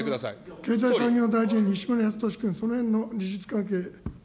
経済産業大臣、西村康稔君、そのへんの事実関係、。